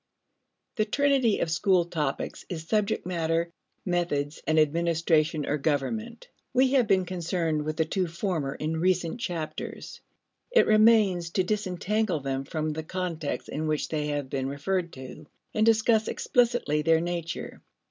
The trinity of school topics is subject matter, methods, and administration or government. We have been concerned with the two former in recent chapters. It remains to disentangle them from the context in which they have been referred to, and discuss explicitly their nature.